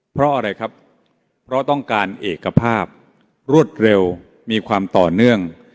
เพราะอะไรครับเพราะต้องการเอกภาพรวดเร็วมีความต่อเนื่อง